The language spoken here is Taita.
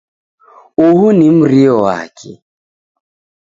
Uhu ni mrio wake.